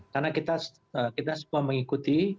karena kita semua mengikuti